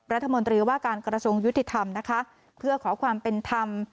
รัฐมนตรีว่าการกระทรวงยุติธรรมนะคะเพื่อขอความเป็นธรรม